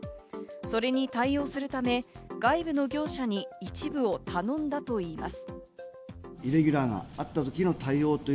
それに対応するため、外部の業者に一部を頼んだといいます。